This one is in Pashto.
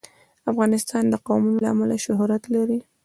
افغانستان د قومونه له امله شهرت لري.